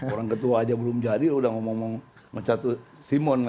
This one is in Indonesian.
orang ketua aja belum jadi udah ngomong ngomong mencatu simon gitu kan